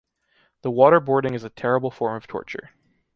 The waterboarding is a terrible form of torture.